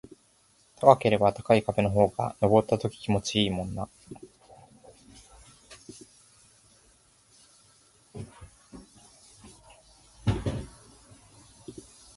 高ければ高い壁の方が登った時気持ちいいもんな